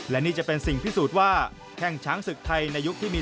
และนี่จะเป็นสิ่งพิสูจน์ว่าแข้งช้างศึกไทยในยุคที่มี